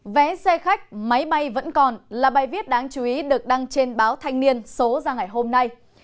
vé xe khách máy bay vẫn còn là bài viết đáng chú ý được đăng trên báo thanh niên số ra ngày hôm nay